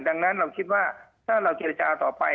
ดังนั้นเราคิดว่าถ้าเราเจรจาต่อไป